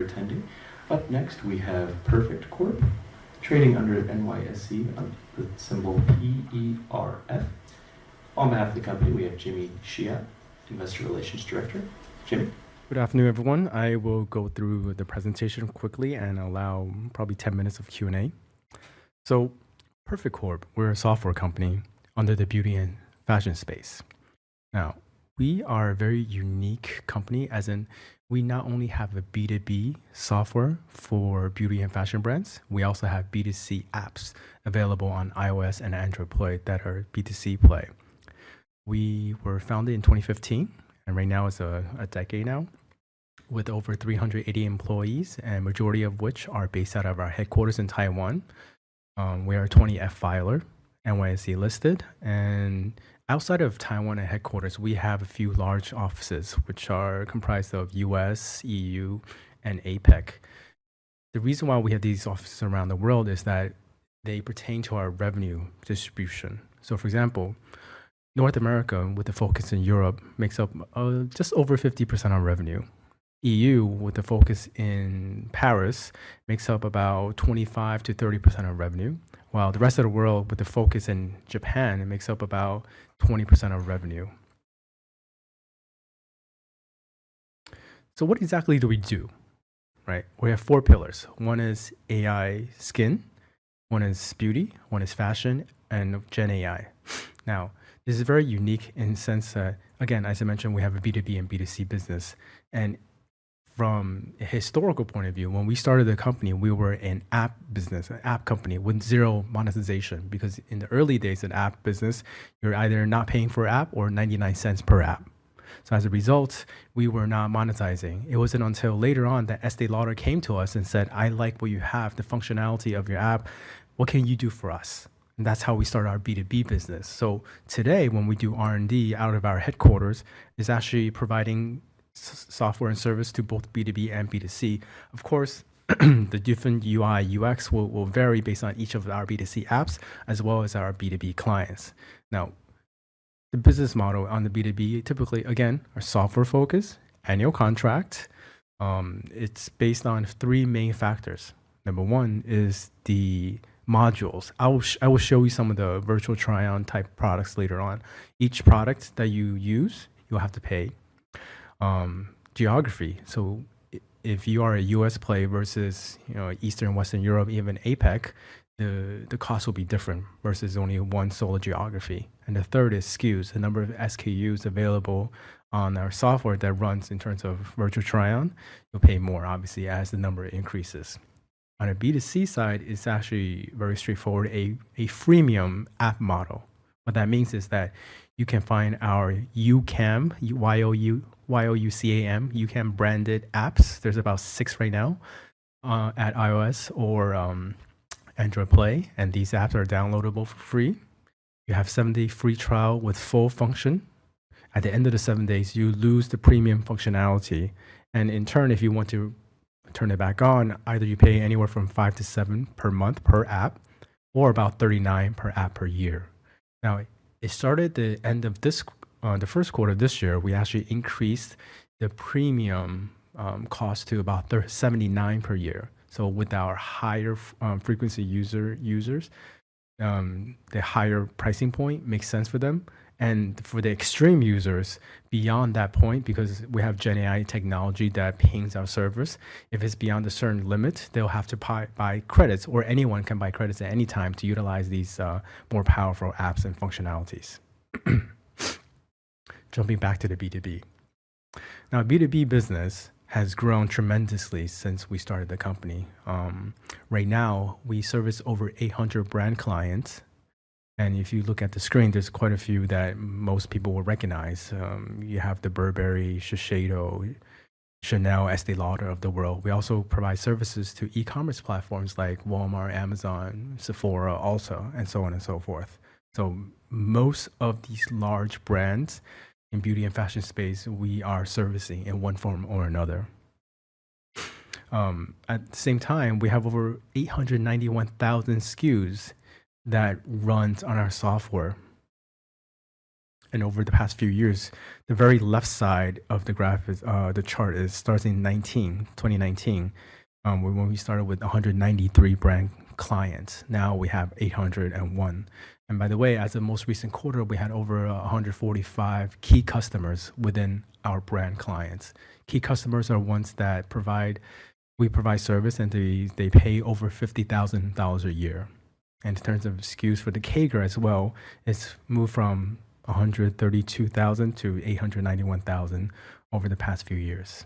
Attending. Up next, we have Perfect Corp, trading under NYSE, the symbol P-E-R-F. On behalf of the company, we have Jimmy Xia, Investor Relations Director. Jimmy. Good afternoon, everyone. I will go through the presentation quickly and allow probably 10 minutes of Q&A. So Perfect Corp, we're a software company under the beauty and fashion space. Now, we are a very unique company as in we not only have a B2B software for beauty and fashion brands, we also have B2C apps available on iOS and Android Play that are B2C Play. We were founded in 2015, and right now it's a decade now, with over 380 employees, and the majority of which are based out of our headquarters in Taiwan. We are a 20F filer, NYSE listed, and outside of Taiwan and headquarters, we have a few large offices which are comprised of U.S., EU, and APEC. The reason why we have these offices around the world is that they pertain to our revenue distribution. For example, North America, with a focus in Europe, makes up just over 50% of revenue. EU, with a focus in Paris, makes up about 25%-30% of revenue, while the rest of the world, with a focus in Japan, makes up about 20% of revenue. What exactly do we do? Right, we have four pillars. One is AI skin, one is beauty, one is fashion, and Gen AI. This is very unique in the sense that, again, as I mentioned, we have a B2B and B2C business. From a historical point of view, when we started the company, we were an app business, an app company with zero monetization, because in the early days of the app business, you're either not paying for an app or $0.99 cents per app. As a result, we were not monetizing. It wasn't until later on that Estée Lauder came to us and said, "I like what you have, the functionality of your app. What can you do for us?" That's how we started our B2B business. Today, when we do R&D out of our headquarters, it's actually providing software and service to both B2B and B2C. Of course, the different UI/UX will vary based on each of our B2C apps as well as our B2B clients. Now, the business model on the B2B typically, again, is software-focused, annual contract. It's based on three main factors. Number one is the modules. I will show you some of the virtual try-on type products later on. Each product that you use, you'll have to pay. Geography. If you are a U.S. Play versus Eastern and Western Europe, even APEC, the cost will be different versus only one sole geography. The third is SKUs, the number of SKUs available on our software that runs in terms of virtual try-on. You'll pay more, obviously, as the number increases. On a B2C side, it's actually very straightforward, a freemium app model. What that means is that you can find our YouCam, Y-O-U-C-A-M, YouCam branded apps. There's about 6 right now at iOS or Android Play, and these apps are downloadable for free. You have a 7-day free trial with full function. At the end of the 7 days, you lose the premium functionality. In turn, if you want to turn it back on, either you pay anywhere from $5-$7 per month per app or about $39 per app per year. Now, at the end of the first quarter of this year, we actually increased the premium cost to about $79 per year. With our higher frequency users, the higher pricing point makes sense for them. For the extreme users, beyond that point, because we have Gen AI technology that pings our servers, if it is beyond a certain limit, they will have to buy credits, or anyone can buy credits at any time to utilize these more powerful apps and functionalities. Jumping back to the B2B. Now, B2B business has grown tremendously since we started the company. Right now, we service over 800 brand clients. If you look at the screen, there are quite a few that most people will recognize. You have Burberry, Shiseido,, Estée Lauder of the world. We also provide services to e-commerce platforms like Walmart, Amazon, Sephora, Ulta, and so on and so forth. Most of these large brands in the beauty and fashion space, we are servicing in one form or another. At the same time, we have over 891,000 SKUs that run on our software. Over the past few years, the very left side of the chart starts in 2019, when we started with 193 brand clients. Now we have 801. By the way, as of the most recent quarter, we had over 145 key customers within our brand clients. Key customers are ones that we provide service, and they pay over $50,000 a year. In terms of SKUs for the CAGR as well, it has moved from 132,000 to 891,000 over the past few years.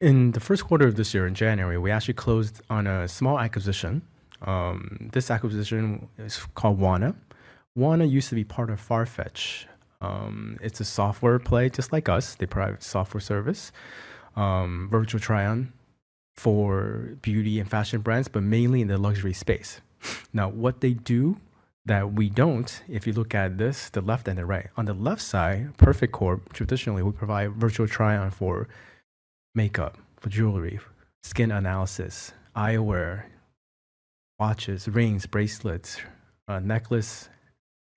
In the first quarter of this year, in January, we actually closed on a small acquisition. This acquisition is called Wanna. Wanna used to be part of FARFETCH. It is a software play just like us. They provide software service, virtual try-on for beauty and fashion brands, but mainly in the luxury space. Now, what they do that we don't, if you look at this, the left and the right. On the left side, Perfect Corp, traditionally, we provide virtual try-on for makeup, for jewelry, skin analysis, eyewear, watches, rings, bracelets, necklace,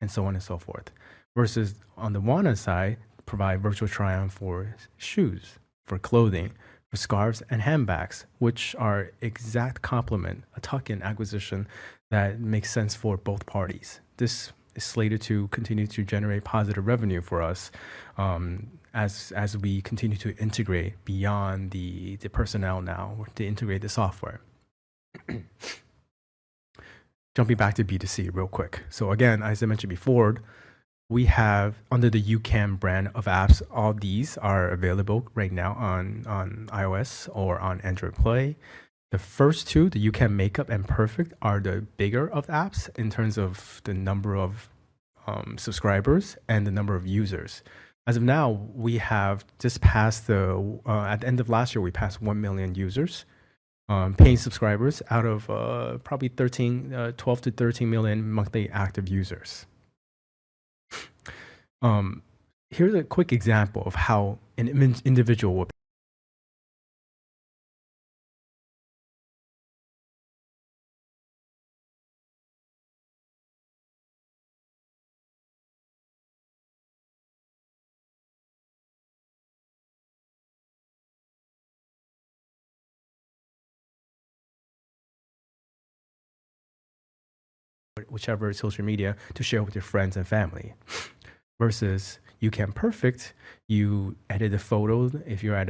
and so on and so forth. Versus on the Wanna side, provide virtual try-on for shoes, for clothing, for scarves, and handbags, which are an exact complement, a tuck-in acquisition that makes sense for both parties. This is slated to continue to generate positive revenue for us as we continue to integrate beyond the personnel now to integrate the software. Jumping back to B2C real quick. As I mentioned before, we have under the YouCam brand of apps, all these are available right now on iOS or on Android Play. The first two, the YouCam Makeup and Perfect, are the bigger of apps in terms of the number of subscribers and the number of users. As of now, we have just passed the, at the end of last year, we passed 1 million users, paying subscribers out of probably 12 to 13 million monthly active users. Here's a quick example of how an individual will, whichever social media to share with your friends and family. Versus YouCam Perfect, you edit a photo. If you're at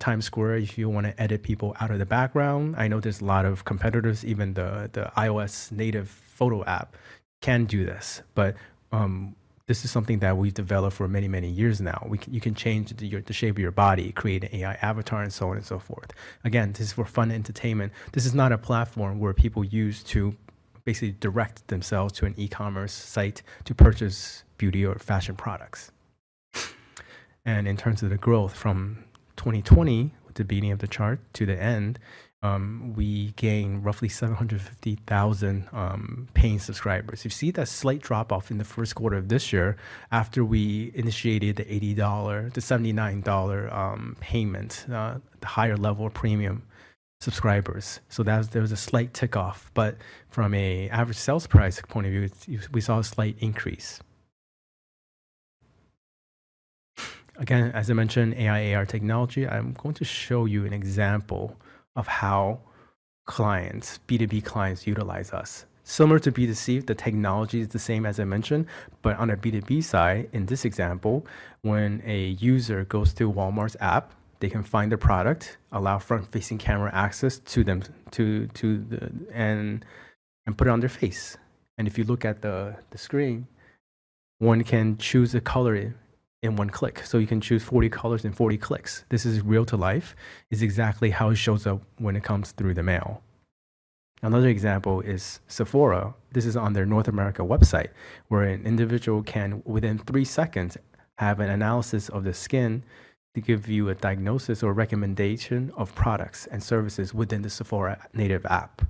Times Square, if you want to edit people out of the background, I know there's a lot of competitors. Even the iOS native photo app can do this. This is something that we've developed for many, many years now. You can change the shape of your body, create an AI avatar, and so on and so forth. Again, this is for fun entertainment. This is not a platform where people use to basically direct themselves to an e-commerce site to purchase beauty or fashion products. In terms of the growth from 2020, with the beginning of the chart to the end, we gained roughly 750,000 paying subscribers. You see that slight drop-off in the first quarter of this year after we initiated the $80 to $79 payment, the higher level of premium subscribers. There was a slight tick-off. From an average sales price point of view, we saw a slight increase. Again, as I mentioned, AI, AR technology. I'm going to show you an example of how clients, B2B clients, utilize us. Similar to B2C, the technology is the same, as I mentioned. On a B2B side, in this example, when a user goes to Walmart's app, they can find the product, allow front-facing camera access to them, and put it on their face. If you look at the screen, one can choose a color in one click. You can choose 40 colors in 40 clicks. This is real-to-life. It is exactly how it shows up when it comes through the mail. Another example is Sephora. This is on their North America website where an individual can, within three seconds, have an analysis of the skin to give you a diagnosis or recommendation of products and services within the Sephora native app.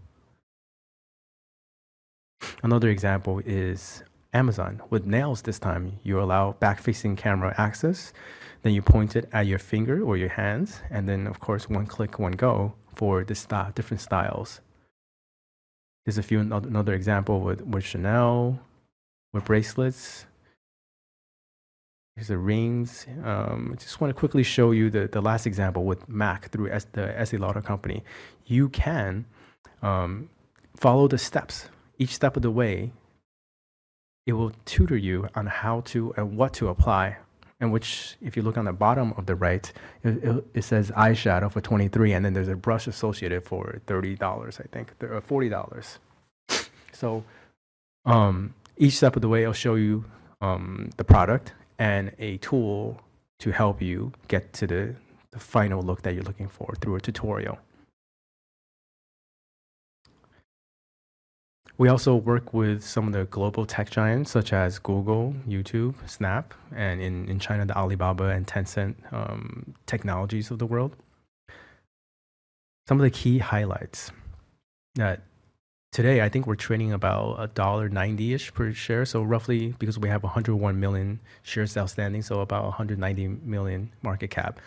Another example is Amazon with nails. This time, you allow back-facing camera access. You point it at your finger or your hands. Of course, one click, one go for the different styles. There's another example with CHANEL, with bracelets. Here's the rings. I just want to quickly show you the last example with Mac through the Estée Lauder company. You can follow the steps, each step of the way. It will tutor you on how to and what to apply. If you look on the bottom of the right, it says eyeshadow for $23, and then there's a brush associated for $30, I think, or $40. Each step of the way, I'll show you the product and a tool to help you get to the final look that you're looking for through a tutorial. We also work with some of the global tech giants, such as Google, YouTube, Snap, and in China, the Alibaba and Tencent technologies of the world. Some of the key highlights that today, I think we're trading about $1.90-ish per share, so roughly because we have 101 million shares outstanding, so about $190 million market cap.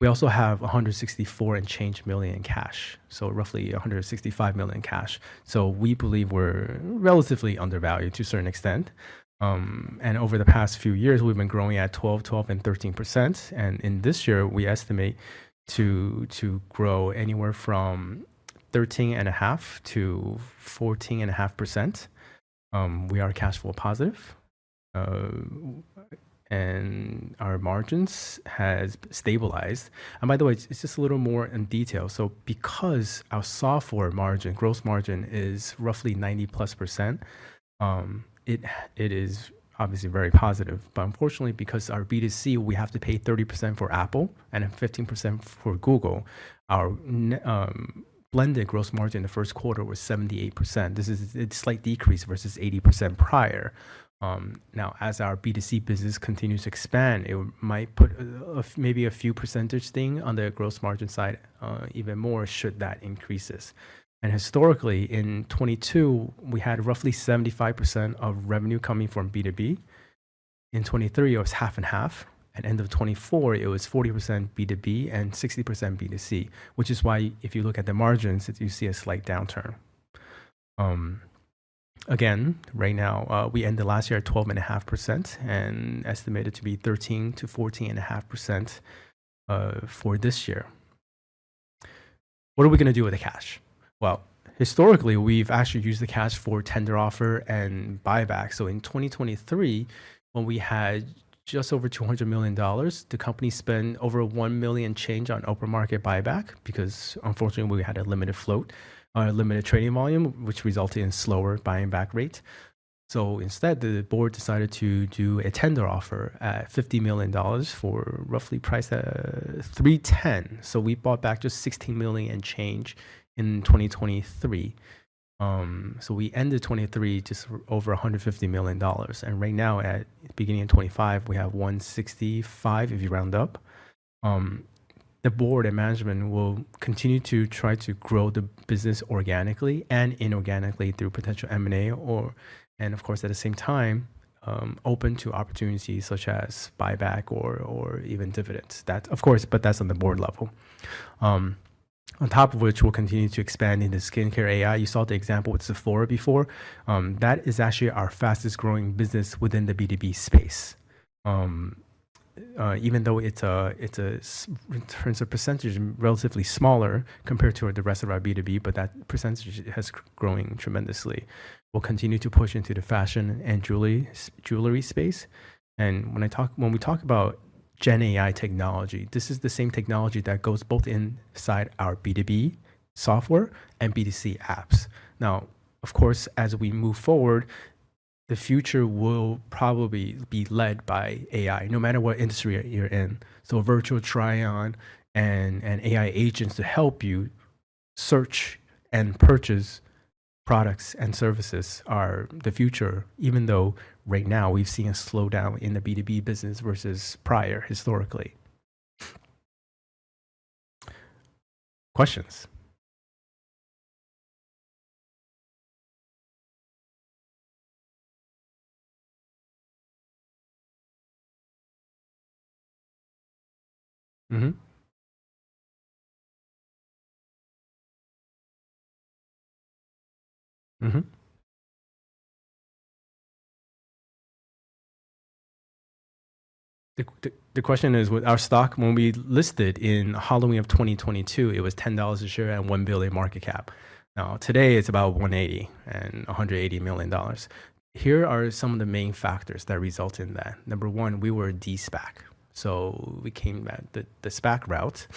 We also have $164 and change million in cash, so roughly $165 million in cash. We believe we're relatively undervalued to a certain extent. Over the past few years, we've been growing at 12%, 12%, and 13%. In this year, we estimate to grow anywhere from 13.5%-14.5%. We are cash flow positive, and our margins have stabilized. By the way, just a little more in detail. Because our software margin, gross margin, is roughly 90-plus %, it is obviously very positive. Unfortunately, because our B2C, we have to pay 30% for Apple and 15% for Google. Our blended gross margin in the first quarter was 78%. This is a slight decrease versus 80% prior. Now, as our B2C business continues to expand, it might put maybe a few percentage points on the gross margin side even more should that increase. Historically, in 2022, we had roughly 75% of revenue coming from B2B. In 2023, it was half and half. At the end of 2024, it was 40% B2B and 60% B2C, which is why if you look at the margins, you see a slight downturn. Again, right now, we ended last year at 12.5% and estimated to be 13-14.5% for this year. What are we going to do with the cash? Historically, we have actually used the cash for tender offer and buyback. In 2023, when we had just over $200 million, the company spent over $1 million and change on open market buyback because, unfortunately, we had a limited float, a limited trading volume, which resulted in a slower buying-back rate. Instead, the board decided to do a tender offer at $50 million for roughly priced at $3.10. We bought back just $16 million and change in 2023. We ended 2023 just over $150 million. Right now, at the beginning of 2025, we have $165 million if you round up. The board and management will continue to try to grow the business organically and inorganically through potential M&A or, and of course, at the same time, open to opportunities such as buyback or even dividends. Of course, but that's on the board level. On top of which, we'll continue to expand into skincare, AI. You saw the example with Sephora before. That is actually our fastest-growing business within the B2B space. Even though it's, in terms of %, relatively smaller compared to the rest of our B2B, but that % has grown tremendously. We'll continue to push into the fashion and jewelry space. When we talk about Gen AI technology, this is the same technology that goes both inside our B2B software and B2C apps. Now, of course, as we move forward, the future will probably be led by AI, no matter what industry you're in. Virtual try-on and AI agents to help you search and purchase products and services are the future, even though right now we've seen a slowdown in the B2B business versus prior, historically. Questions? The question is, our stock, when we listed in the Halloween of 2022, it was $10 a share and $1 billion market cap. Now, today, it's about $180 and $180 million. Here are some of the main factors that result in that. Number 1, we were a D-SPAC. So we came back the SPAC route.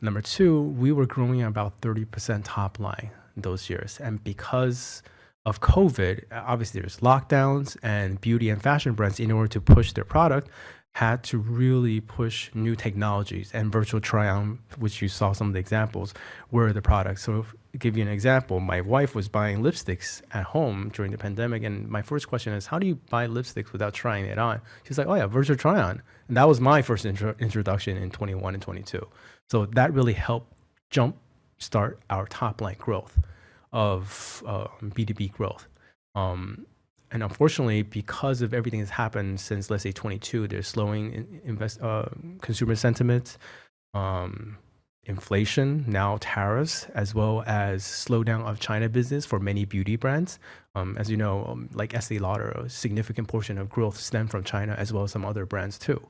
Number 2, we were growing about 30% top line those years. And because of COVID, obviously, there's lockdowns, and beauty and fashion brands, in order to push their product, had to really push new technologies and virtual try-on, which you saw some of the examples, were the products. To give you an example, my wife was buying lipsticks at home during the pandemic. My first question is, how do you buy lipsticks without trying it on? She's like, "Oh, yeah, virtual try-on." That was my first introduction in 2021 and 2022. That really helped jump-start our top-line growth of B2B growth. Unfortunately, because of everything that's happened since, let's say, 2022, there's slowing consumer sentiment, inflation, now tariffs, as well as slowdown of China business for many beauty brands. As you know, like Estée Lauder, a significant portion of growth stemmed from China, as well as some other brands too.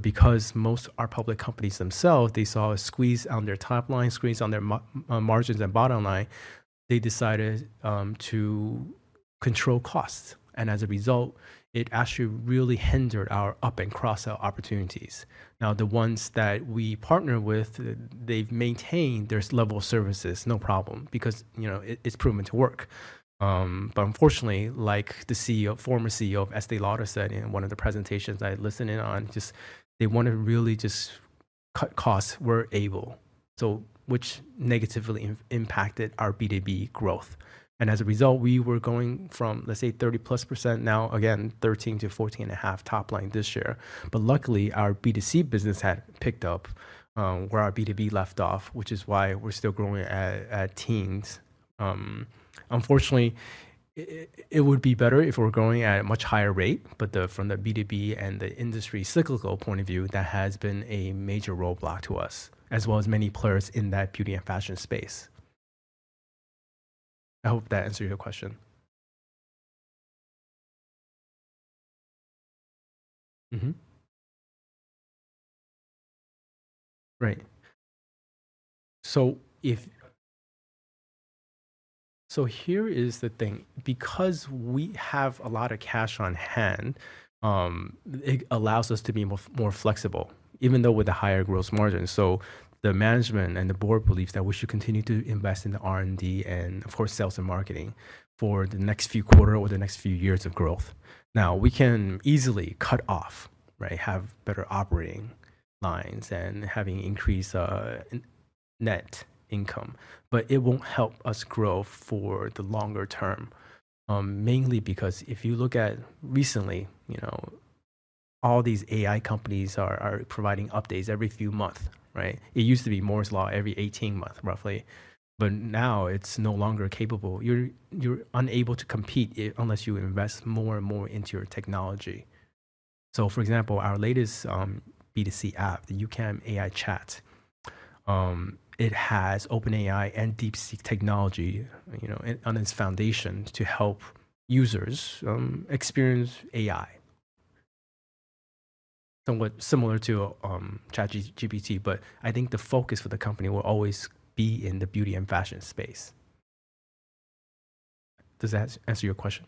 Because most are public companies themselves, they saw a squeeze on their top line, squeeze on their margins and bottom line, they decided to control costs. As a result, it actually really hindered our up-and-cross-out opportunities. The ones that we partner with, they've maintained their level of services, no problem, because it's proven to work. Unfortunately, like the former CEO of Estée Lauder said in one of the presentations I listened in on, just they wanted to really just cut costs where able, which negatively impacted our B2B growth. As a result, we were going from, let's say, 30+%, now, again, 13-14.5% top line this year. Luckily, our B2C business had picked up where our B2B left off, which is why we're still growing at teens. Unfortunately, it would be better if we're growing at a much higher rate. From the B2B and the industry cyclical point of view, that has been a major roadblock to us, as well as many players in that beauty and fashion space. I hope that answered your question. Right. Here is the thing. Because we have a lot of cash on hand, it allows us to be more flexible, even though with a higher gross margin. The management and the board believe that we should continue to invest in the R&D and, of course, sales and marketing for the next few quarters or the next few years of growth. Now, we can easily cut off, have better operating lines, and have an increased net income. It will not help us grow for the longer term, mainly because if you look at recently, all these AI companies are providing updates every few months. It used to be Moore's Law every 18 months, roughly. Now, it is no longer capable. You are unable to compete unless you invest more and more into your technology. For example, our latest B2C app, the YouCam AI Chat, it has OpenAI and DeepSeek technology on its foundation to help users experience AI, somewhat similar to ChatGPT. I think the focus for the company will always be in the beauty and fashion space. Does that answer your question?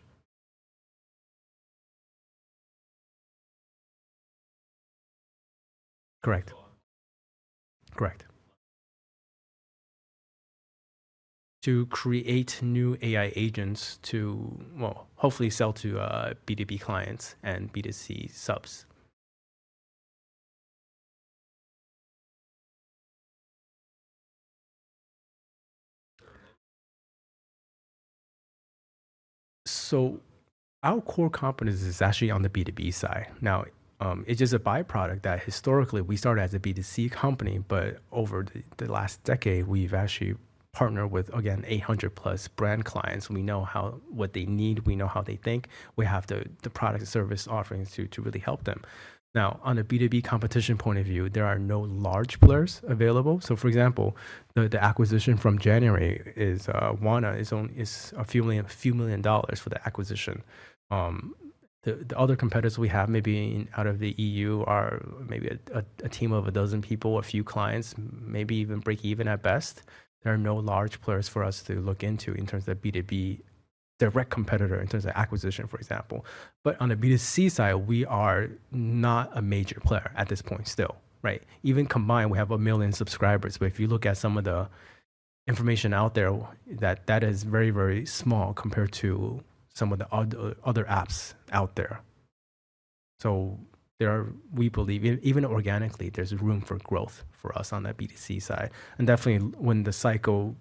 Correct. Correct. To create new AI agents to, well, hopefully, sell to B2B clients and B2C subs. Our core company is actually on the B2B side. Now, it's just a byproduct that historically, we started as a B2C company. Over the last decade, we've actually partnered with, again, 800-plus brand clients. We know what they need. We know how they think. We have the product and service offerings to really help them. On a B2B competition point of view, there are no large players available. For example, the acquisition from January is Wanna is a few million dollars for the acquisition. The other competitors we have, maybe out of the EU, are maybe a team of a dozen people, a few clients, maybe even break even at best. There are no large players for us to look into in terms of B2B direct competitor in terms of acquisition, for example. On the B2C side, we are not a major player at this point still. Even combined, we have a million subscribers. If you look at some of the information out there, that is very, very small compared to some of the other apps out there. We believe even organically, there's room for growth for us on that B2C side. Definitely, when the cycle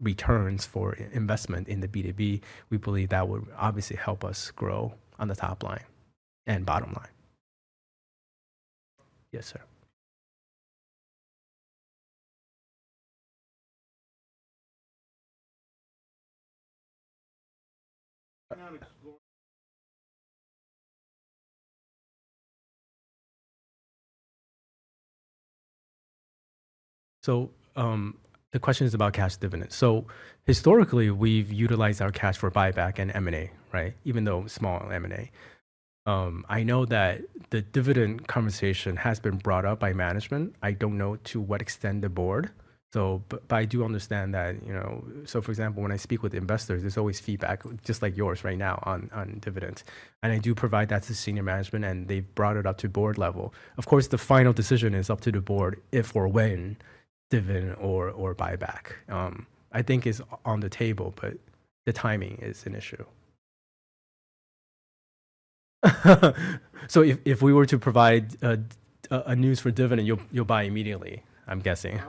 returns for investment in the B2B, we believe that will obviously help us grow on the top line and bottom line. Yes, sir. The question is about cash dividends. Historically, we've utilized our cash for buyback and M&A, even though small M&A. I know that the dividend conversation has been brought up by management. I don't know to what extent the board. I do understand that. For example, when I speak with investors, there's always feedback, just like yours right now, on dividends. I do provide that to senior management, and they've brought it up to board level. Of course, the final decision is up to the board if or when dividend or buyback, I think, is on the table. The timing is an issue. If we were to provide a news for dividend, you'll buy immediately, I'm guessing.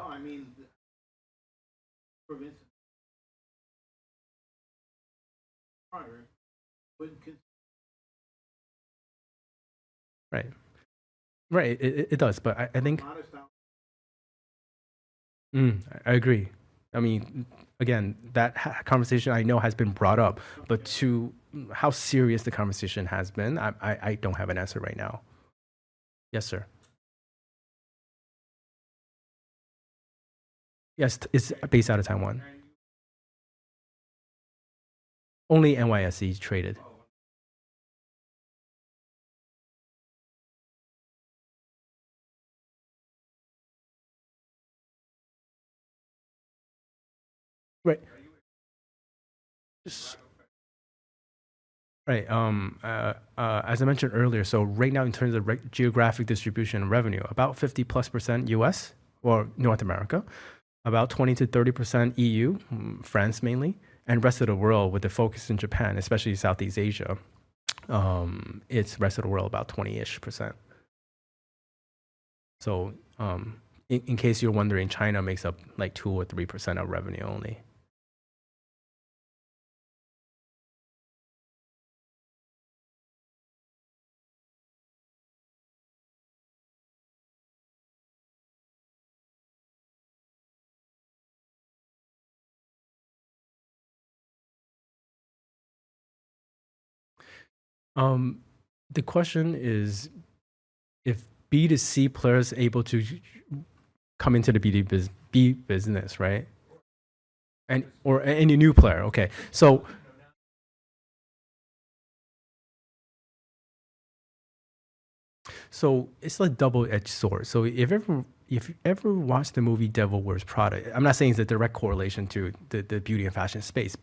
Right. Right. It does. I think I agree. Again, that conversation I know has been brought up. To how serious the conversation has been, I do not have an answer right now. Yes, sir. Yes, it is based out of Taiwan. Only NYSE traded. Right. Right. As I mentioned earlier, right now, in terms of geographic distribution and revenue, about 50+% U.S. or North America, about 20-30% EU, France mainly, and rest of the world with a focus in Japan, especially Southeast Asia. It is rest of the world about 20-ish %. In case you are wondering, China makes up like 2 or 3% of revenue only. The question is if B2C players are able to come into the B business, right? Or any new player. Okay. It is a double-edged sword. If you ever watched the movie Devil Wears Prada, I am not saying it is a direct correlation to the beauty and fashion space.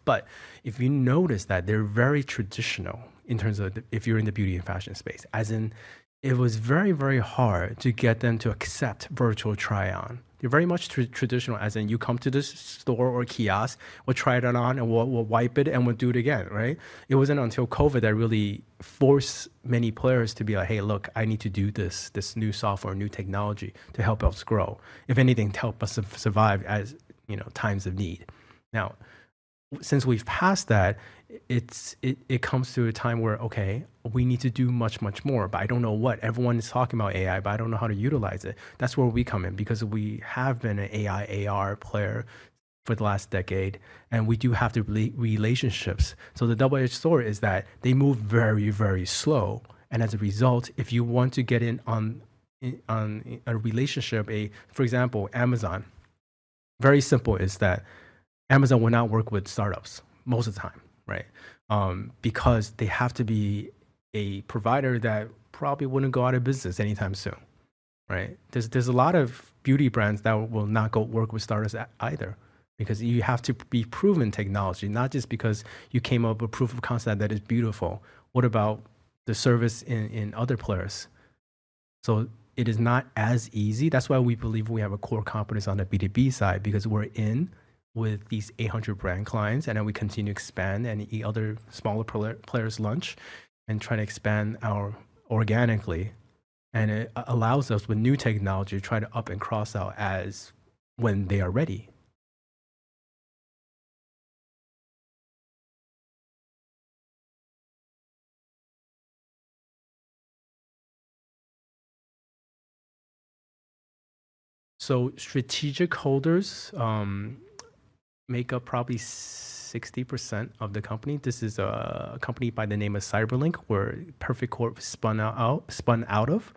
If you notice that they're very traditional in terms of if you're in the beauty and fashion space, as in it was very, very hard to get them to accept virtual try-on. They're very much traditional, as in you come to the store or kiosk, we'll try it on, and we'll wipe it, and we'll do it again. It wasn't until COVID that really forced many players to be like, "Hey, look, I need to do this new software, new technology to help us grow, if anything, to help us survive times of need." Now, since we've passed that, it comes to a time where, okay, we need to do much, much more. I don't know what. Everyone is talking about AI, but I don't know how to utilize it. That's where we come in because we have been an AI, AR player for the last decade. We do have the relationships. The double-edged sword is that they move very, very slow. As a result, if you want to get in on a relationship, for example, Amazon, very simple is that Amazon will not work with startups most of the time because they have to be a provider that probably would not go out of business anytime soon. There are a lot of beauty brands that will not go work with startups either because you have to be proven technology, not just because you came up with proof of concept that is beautiful. What about the service in other players? It is not as easy. That is why we believe we have a core competence on the B2B side because we are in with these 800 brand clients. We continue to expand and eat other smaller players' lunch and try to expand organically. It allows us with new technology to try to up and cross out as when they are ready. Strategic holders make up probably 60% of the company. This is a company by the name of CyberLink, where Perfect Corp spun out of.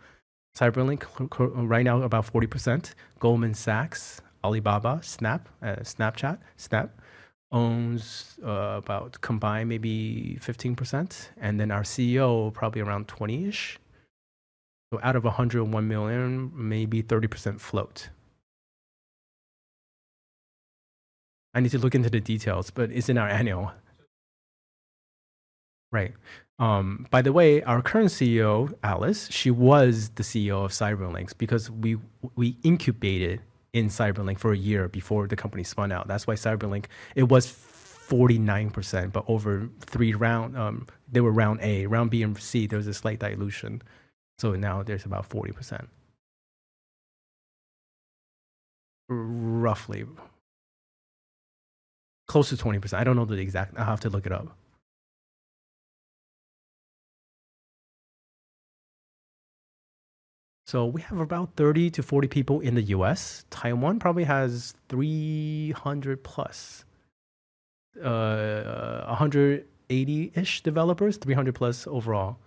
CyberLink right now, about 40%. Goldman Sachs, Alibaba, Snap, Snapchat, Snap owns about combined maybe 15%. Our CEO, probably around 20-ish. Out of 101 million, maybe 30% float. I need to look into the details, but it's in our annual. Right. By the way, our current CEO, Alice, she was the CEO of CyberLink because we incubated in CyberLink for a year before the company spun out. That's why CyberLink, it was 49%. Over 3 rounds, they were round A, round B, and round C, there was a slight dilution. Now there's about 40%, roughly. Close to 20%. I don't know the exact. I'll have to look it up. We have about 30-40 people in the US. Taiwan probably has 300-plus, 180-ish developers, 300-plus overall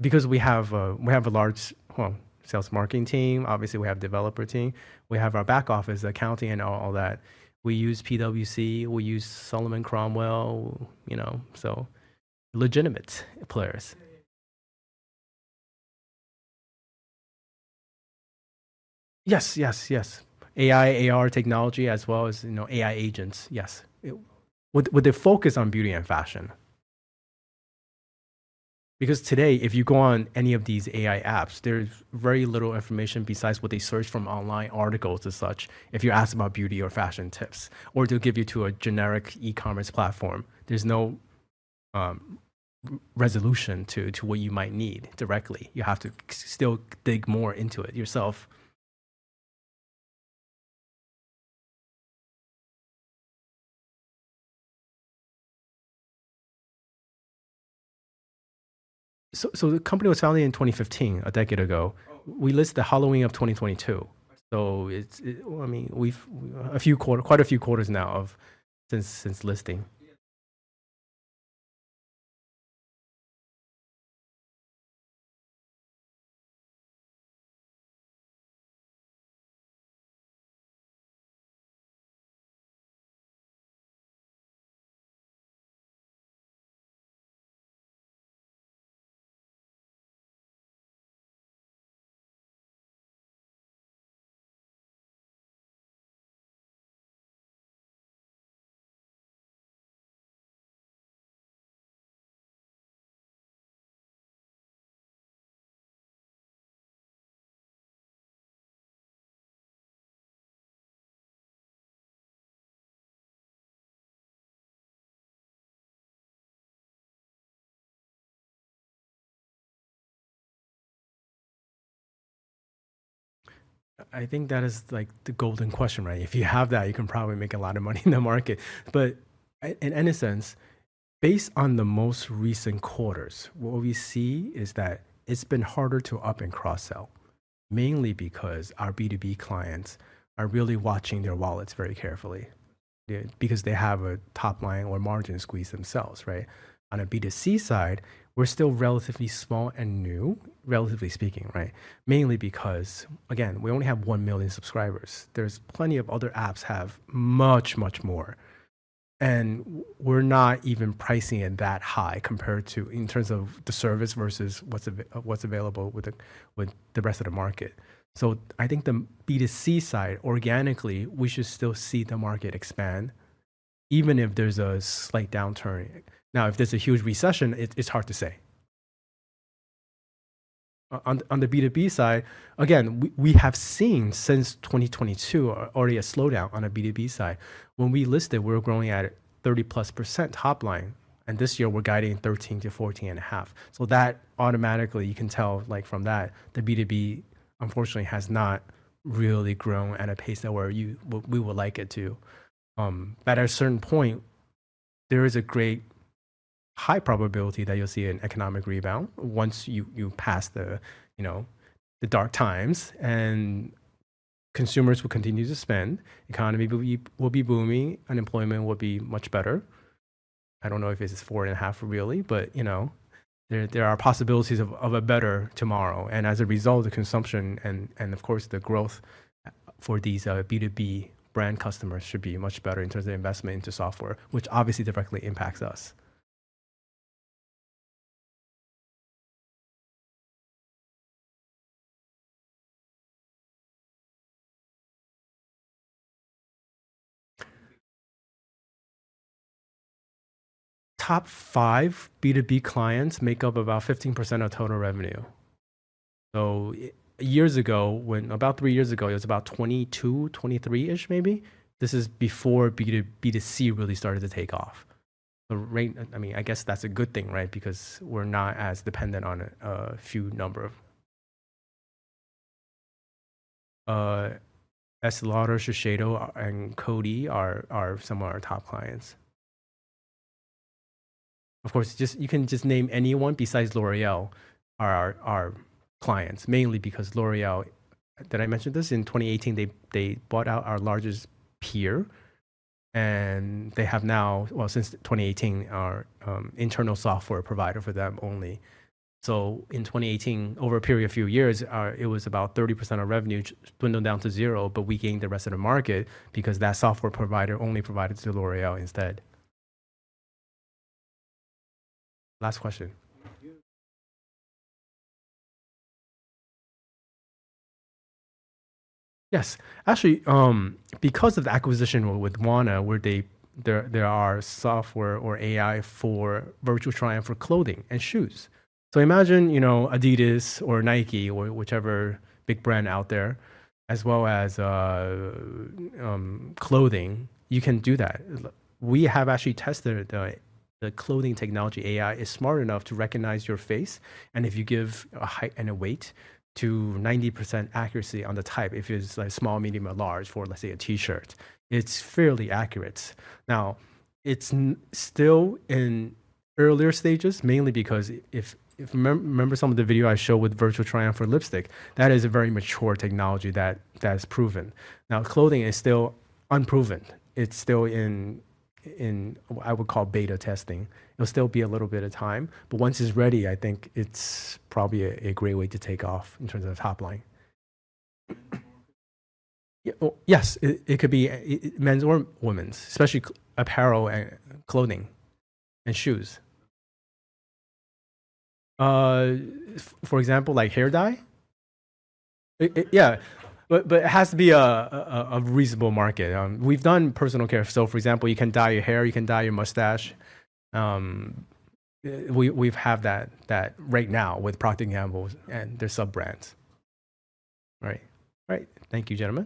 because we have a large sales and marketing team. Obviously, we have a developer team. We have our back office, accounting, and all that. We use PwC. We use Sullivan & Cromwell. Legitimate players. Yes, yes, yes. AI, AR technology, as well as AI agents, yes, with a focus on beauty and fashion. Because today, if you go on any of these AI apps, there's very little information besides what they search from online articles and such if you're asked about beauty or fashion tips or they'll give you to a generic e-commerce platform. There's no resolution to what you might need directly. You have to still dig more into it yourself. The company was founded in 2015, a decade ago. We listed the Halloween of 2022. I mean, quite a few quarters now since listing. I think that is the golden question, right? If you have that, you can probably make a lot of money in the market. In any sense, based on the most recent quarters, what we see is that it's been harder to up and cross-sell, mainly because our B2B clients are really watching their wallets very carefully because they have a top line or margin squeeze themselves. On a B2C side, we're still relatively small and new, relatively speaking, mainly because, again, we only have 1 million subscribers. There's plenty of other apps that have much, much more. We're not even pricing it that high compared to in terms of the service versus what's available with the rest of the market. I think the B2C side, organically, we should still see the market expand, even if there's a slight downturn. Now, if there's a huge recession, it's hard to say. On the B2B side, again, we have seen since 2022 already a slowdown on the B2B side. When we listed, we were growing at 30+% top line. And this year, we're guiding 13%-14.5%. That automatically, you can tell from that, the B2B, unfortunately, has not really grown at a pace that we would like it to. At a certain point, there is a great high probability that you'll see an economic rebound once you pass the dark times. Consumers will continue to spend. The economy will be booming. Unemployment will be much better. I don't know if it's 4.5%, really. There are possibilities of a better tomorrow. As a result, the consumption and, of course, the growth for these B2B brand customers should be much better in terms of investment into software, which obviously directly impacts us. Top 5 B2B clients make up about 15% of total revenue. Years ago, about three years ago, it was about 22-23%, maybe. This is before B2C really started to take off. I mean, I guess that's a good thing because we're not as dependent on a few number of, Shiseido and Coty are some of our top clients. Of course, you can just name anyone besides L'Oréal are our clients, mainly because L'Oréal, did I mention this? In 2018, they bought out our largest peer. And they have now, well, since 2018, our internal software provider for them only. In 2018, over a period of a few years, it was about 30% of revenue dwindled down to zero. We gained the rest of the market because that software provider only provided to L'Oréal instead. Last question. Yes. Actually, because of the acquisition with Wanna, where there are software or AI for virtual try-on for clothing and shoes. Imagine Adidas or Nike or whichever big brand out there, as well as clothing. You can do that. We have actually tested the clothing technology. AI is smart enough to recognize your face. If you give a height and a weight, to 90% accuracy on the type, if it is small, medium, or large for, let's say, a T-shirt, it is fairly accurate. Now, it's still in earlier stages, mainly because if you remember some of the video I showed with virtual try-on for lipstick, that is a very mature technology that is proven. Now, clothing is still unproven. It's still in, I would call, beta testing. It'll still be a little bit of time. Once it's ready, I think it's probably a great way to take off in terms of top line. Yes, it could be men's or women's, especially apparel and clothing and shoes. For example, like hair dye? Yeah. It has to be a reasonable market. We've done personal care. For example, you can dye your hair. You can dye your mustache. We have that right now with Procter & Gamble and their sub-brands. Right. Thank you, gentlemen.